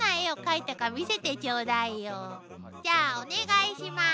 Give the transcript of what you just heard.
じゃあお願いします。